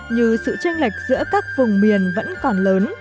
như sự tranh lệch giữa các vùng miền vẫn còn lớn